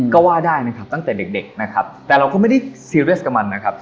ก็ว่าได้นะครับตั้งแต่เด็กนะครับแต่เราก็ไม่ได้ซีเรียสกับมันนะครับ